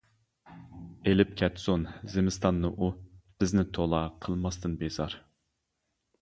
ئېلىپ كەتسۇن زىمىستاننى ئۇ، بىزنى تولا قىلماستىن بىزار.